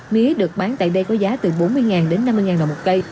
mía được bán tại đây có giá từ bốn mươi đến năm mươi đồng một cây